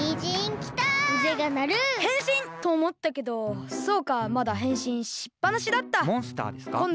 へんしんとおもったけどそうかまだへんしんしっぱなしだった。